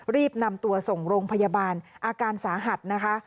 รีบนำตัวส่งโรงพยาบาลอาการสาหัสนะคะ